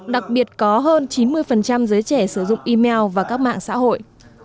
đặc biệt có hơn chín mươi giới trẻ sử dụng email và các mạng xã hội